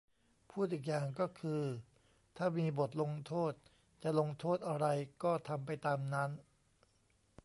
พูดอีกอย่างก็คือ ถ้ามีบทลงโทษ จะลงโทษอะไรก็ทำไปตามนั้น